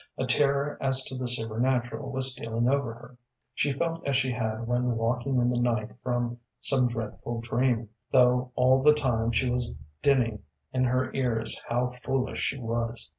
A terror as to the supernatural was stealing over her. She felt as she had when waking in the night from some dreadful dream, though all the time she was dinning in her ears how foolish she was.